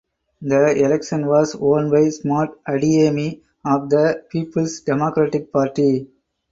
The election was won by Smart Adeyemi of the Peoples Democratic Party.